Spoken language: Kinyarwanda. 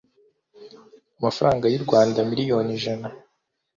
amafaranga y u Rwanda miliyoni ijana